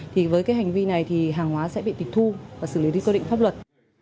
thì với cái hành vi này thì hàng hóa sẽ bị tịch thu và xử lý theo quy định pháp luật